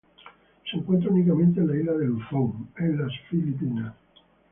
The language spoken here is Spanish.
Se encuentra únicamente en la isla de Luzón, en las Filipinas.